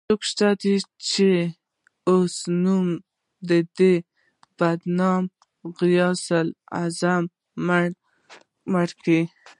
څوک شته، چې اوس نوم د دې بدنام غوث العظم مړ کړي